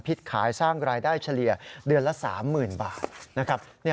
พิษขายสร้างรายได้เฉลี่ยเดือนละ๓๐๐๐๐บาท